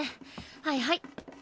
はいはい。